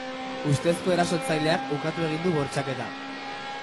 Ustezko erasotzaileak ukatu egin du bortxaketa.